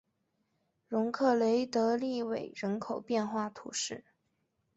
容克雷德利韦人口变化图示